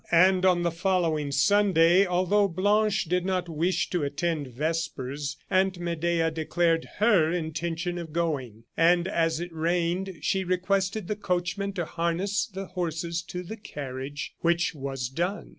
And, on the following Sunday, although Blanche did not wish to attend vespers, Aunt Medea declared her intention of going; and as it rained, she requested the coachman to harness the horses to the carriage, which was done.